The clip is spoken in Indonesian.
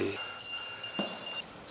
iya mbak terima kasih